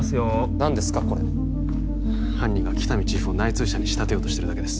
何ですかこれ犯人が喜多見チーフを内通者に仕立てようとしているだけです